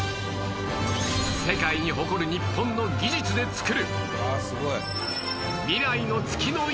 世界に誇る日本の技術で作る